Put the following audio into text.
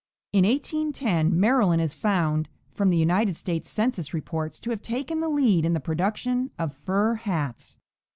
In 1810 Maryland is found, from the United States census reports, to have taken the lead in the production of fur hats.